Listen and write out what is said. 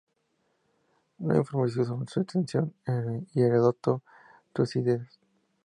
No hay información sobre su extensión en Heródoto y Tucídides.